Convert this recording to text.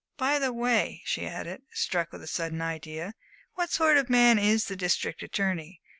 By the way," she added, struck with a sudden idea, "what sort of man is the District Attorney?